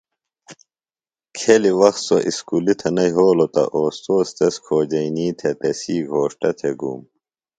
کھیلیۡ وخت سوۡ اُسکُلیۡ تھےۡ نہ یھولوۡ تہ استوذ تس کھوجئینی تھےۡ تسی گھوݜٹہ تھےۡ گُوم۔